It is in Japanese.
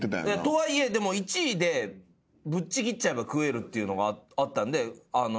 とはいえでも１位でぶっちぎっちゃえば食えるっていうのがあったんであの１位で。